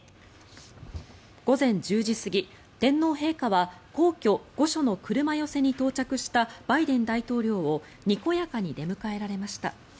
午前１０時過ぎ、天皇陛下は皇居・御所の車寄せに到着したバイデン大統領をにこやかに出迎えられました。